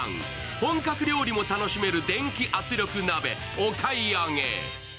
本格料理も楽しめる電気圧力鍋、お買い上げ。